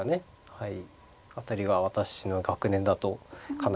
はい。